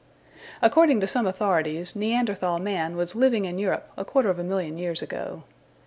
According to some authorities Neanderthal man was living in Europe a quarter of a million years ago.